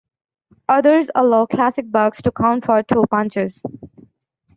Others allow "classic" bugs to count for two punches.